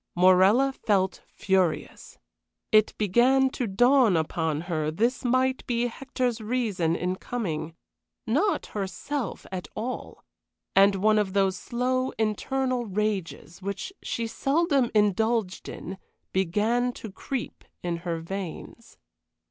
Morella felt furious. It began to dawn upon her this might be Hector's reason in coming, not herself at all; and one of those slow, internal rages which she seldom indulged in began to creep in her veins.